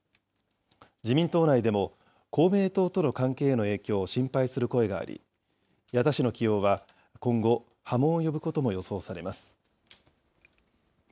自民党内でも公明党との関係への影響を心配する声があり、矢田氏の起用は今後、波紋を呼ぶことも予想されます。